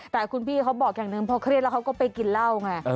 แต่คุณพี่เขาบอกอย่างหนึ่งพอเครียดแล้วเขาก็ไปกินเหล้าไง